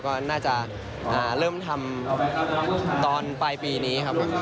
ก็น่าจะเริ่มทำตอนปลายปีนี้ครับ